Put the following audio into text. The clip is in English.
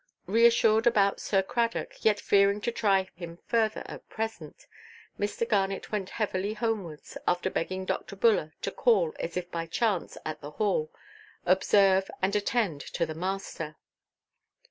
Reassured about Sir Cradock, yet fearing to try him further at present, Mr. Garnet went heavily homewards, after begging Dr. Buller to call, as if by chance, at the Hall, observe, and attend to the master.